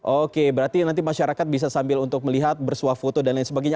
oke berarti nanti masyarakat bisa sambil untuk melihat bersuah foto dan lain sebagainya